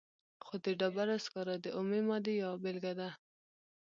خو د ډبرو سکاره د اومې مادې یوه بیلګه ده.